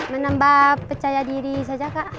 menambah percaya diri saja kak